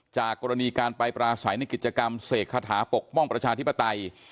จากกรณีการไปปราศัยในกิจกรรมเสกคาถาปกป้องประชาธิปไตย